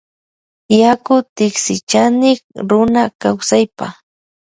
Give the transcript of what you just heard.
Yaku tiksichanik runa kawsaypa.